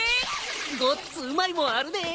ごっつうまいもんあるで。